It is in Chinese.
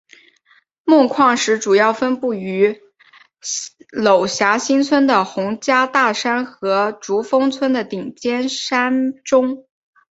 锰矿石主要分布于位于娄霞新村的洪家大山和竹峰村的尖顶山中。